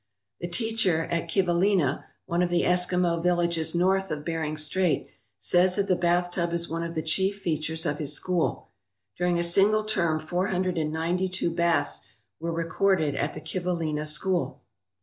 The teacher at Kivalina, one of the Eskimo vil lages north of Bering Strait, says that the bathtub is one of the chief features of his school During a single term four hundred and ninety two baths were recorded at the Kivalina school.